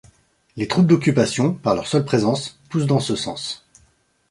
Les troupes d’occupation, par leur seule présence, poussent dans ce sens.